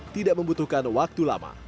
tidak membutuhkan waktu lama